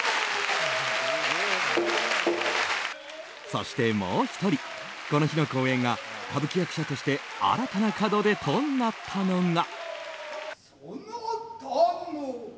そして、もう１人この日の公演が歌舞伎役者として新たな門出となったのが。